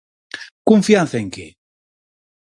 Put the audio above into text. ¿Confianza en que?